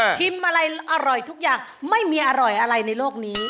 ชิมอะไรอร่อยทุกอย่างไม่มีอร่อยอะไรในโลกนี้